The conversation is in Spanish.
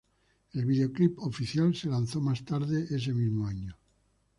El video-clip oficial se lanzó más tarde ese mismo año.